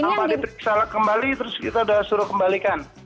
apa dipiksa kembali terus kita sudah suruh kembalikan